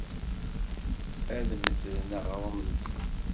Ad mmetren aɣrum-nsen.